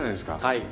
はい。